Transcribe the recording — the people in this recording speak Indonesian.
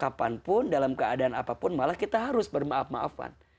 kapanpun dalam keadaan apapun malah kita harus bermaaf maafan